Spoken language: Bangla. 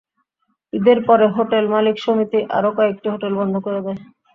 ঈদের পরে হোটেল মালিক সমিতি আরও কয়েকটি হোটেল বন্ধ করে দেয়।